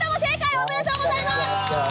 おめでとうございます！